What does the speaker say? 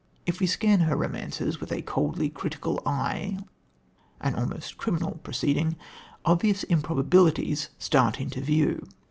If we scan her romances with a coldly critical eye an almost criminal proceeding obvious improbabilities start into view.